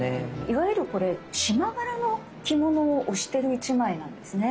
いわゆるこれ縞柄の着物を推してる一枚なんですね。